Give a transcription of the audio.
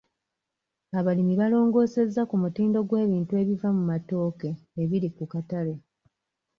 Abalimi balongoosezza ku mutindo gw'ebintu ebiva mu matooke ebiri ku katale.